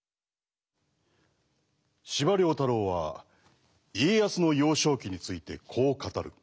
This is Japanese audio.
司馬太郎は家康の幼少期についてこう語る。